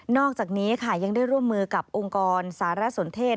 อกจากนี้ค่ะยังได้ร่วมมือกับองค์กรสารสนเทศ